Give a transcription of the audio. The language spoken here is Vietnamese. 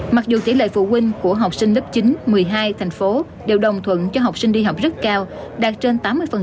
mặc dù tỷ lệ phụ huynh của học sinh lớp chín một mươi hai thành phố đều đồng thuận cho học sinh đi học rất cao đạt trên tám mươi